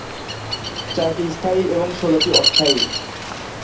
চারটি স্থায়ী এবং ষোলটি অস্থায়ী।